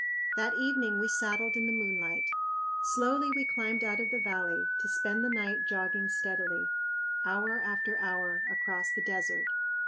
That evening we saddled in the moonlight. Slowly we climbed out of the valley, to spend the night jogging steadily, hour after hour, across the desert.